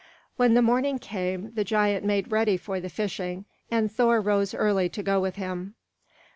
When the morning came, the giant made ready for the fishing, and Thor rose early to go with him.